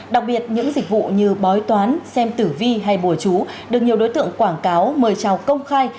đặc biệt những dịch vụ như bói toán xem tử vi hay bùa chú được nhiều đối tượng quảng cáo mời trào công khai